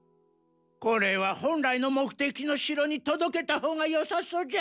これは本来のもくてきの城にとどけたほうがよさそうじゃ。